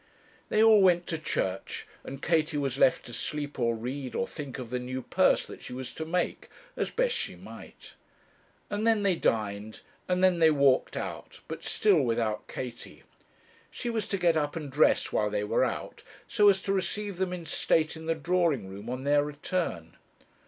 They all went to church, and Katie was left to sleep or read, or think of the new purse that she was to make, as best she might. And then they dined, and then they walked out; but still without Katie. She was to get up and dress while they were out, so as to receive them in state in the drawing room on their return.